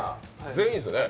全員ですよね？